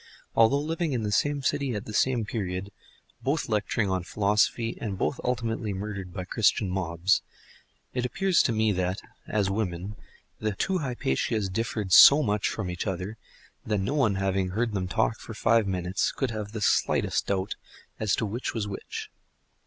Although living in the same city at the same period, both lecturing on philosophy, and both ultimately murdered by Christian mobs; it appears to me that, as women, the two Hypatias differed so much from each other that no one having heard them talk for five minutes could have the slightest doubt as to which was which.